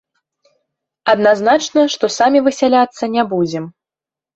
Адназначна, што самі высяляцца не будзем.